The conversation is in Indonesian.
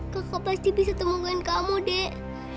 kau pasti bisa temukan kamu dek